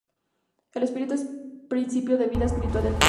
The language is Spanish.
El espíritu es principio de vida espiritual del plasma.